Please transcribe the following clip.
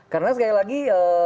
karena sekali lagi